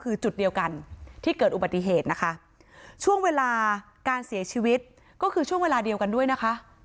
คือจุดเดียวกันที่เกิดอุบัติเหตุนะคะช่วงเวลาการเสียชีวิตก็คือช่วงเวลาเดียวกันด้วยนะคะ